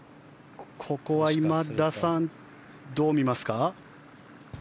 ここは、今田さんどう見ますか。